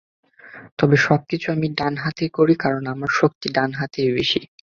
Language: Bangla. তবে সবকিছু আমি ডান হাতেই করি, কারণ, আমার শক্তি ডান হাতে বেশি।